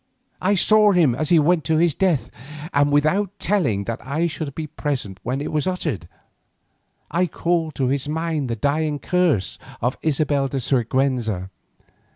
I saw him as he went to his death, and without telling that I had been present when it was uttered, I called to his mind the dying curse of Isabella de Siguenza.